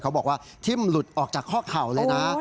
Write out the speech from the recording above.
เขาบอกว่าทิ่มหลุดออกจากข้อเข่าเลยนะ